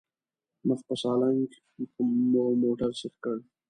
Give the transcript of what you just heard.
مخ په سالنګ مو موټر سيخ کړ.